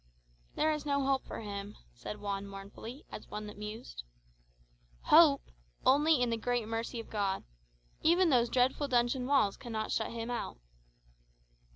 "There is no hope for him," said Juan mournfully, as one that mused. "Hope! Only in the great mercy of God. Even those dreadful dungeon walls cannot shut Him out."